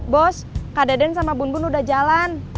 bos kak deden sama bun bun udah jalan